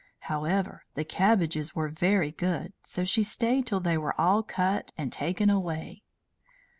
However, the cabbages were very good, so she stayed till they were all cut and taken away.